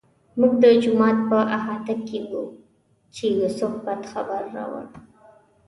موږ د جومات په احاطه کې وو چې یوسف بد خبر راوړ.